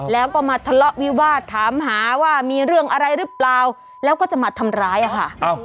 แล้วก็มาทะเลาะวิวาสถามหาว่ามีเรื่องอะไรหรือเปล่าแล้วก็จะมาทำร้ายอะค่ะ